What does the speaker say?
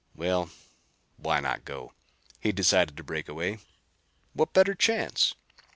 Well, why not go? He'd decided to break away. What better chance?